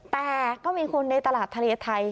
แต่ก็มีคนในตลาดทะเลไทย